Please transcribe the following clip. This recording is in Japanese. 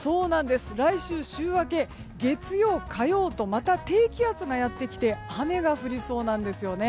来週、週明け月曜、火曜とまた低気圧がやってきて雨が降りそうなんです。